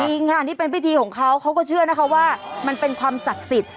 จริงค่ะนี่เป็นพิธีของเขาเขาก็เชื่อนะคะว่ามันเป็นความศักดิ์สิทธิ์